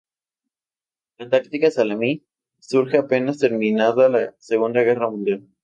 La táctica salami surge apenas terminada la Segunda Guerra Mundial.